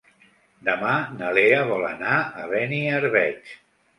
Demà na Lea vol anar a Beniarbeig.